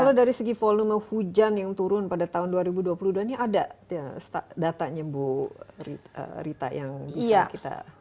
kalau dari segi volume hujan yang turun pada tahun dua ribu dua puluh dua ini ada datanya bu rita yang bisa kita